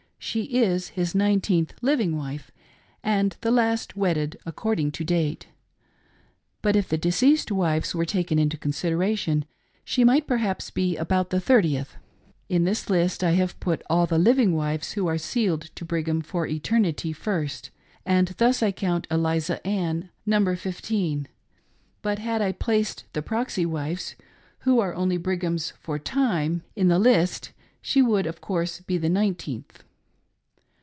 She is his nineteenth living wife and the last wedded, according to date ; but, if the deceased wives were taken into consideration, she might perhaps be about the thirtieth. In this list I have put all the living wives who are sealed to Brigham " for eternity," first ; and thus I count Eliza Ann number fifteen ; but had I placed the proxy wives, — who are only Brigham's "for time," in the list, she would, of course, be the nineteenth.